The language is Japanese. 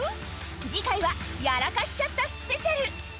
次回はやらかしちゃったスペシャル。